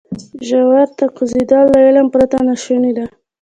ژورو ته کوزېدل له علم پرته ناشونی دی.